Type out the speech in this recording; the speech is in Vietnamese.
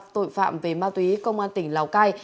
tội phạm về ma túy công an tỉnh lào cai